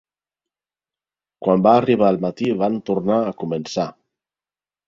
Quan va arribar el matí van tornar a començar.